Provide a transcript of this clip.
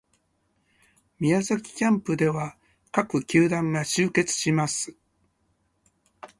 宮崎キャンプでは各球団が集結します